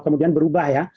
kemudian berubah ya